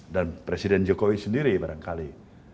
dan presiden jokowi sendiri barangkali